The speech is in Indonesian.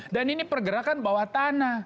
dan ini pergerakan bawah tanah